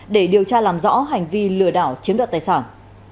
để điều tra làm rõ hành vi lừa đảo chiếm đoạt tài sản